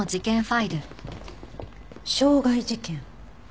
傷害事件？